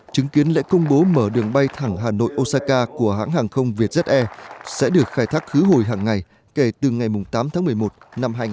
chứng kiến lễ công bố mở đường bay thẳng hà nội osaka của hãng hàng không vietjet air sẽ được khai thác khứ hồi hàng ngày kể từ ngày tám tháng một mươi một năm hai nghìn một mươi chín